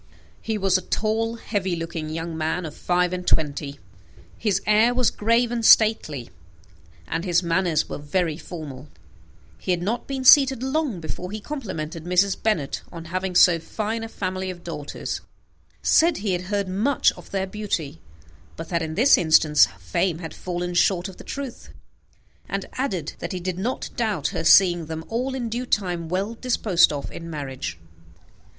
He was a tall, heavy looking young man of five and twenty. His air was grave and stately, and his manners were very formal. He had not been long seated before he complimented Mrs. Bennet on having so fine a family of daughters, said he had heard much of their beauty, but that, in this instance, fame had fallen short of the truth; and added, that he did not doubt her seeing them all in due time well disposed of in marriage.